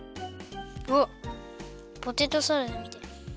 おっポテトサラダみたい。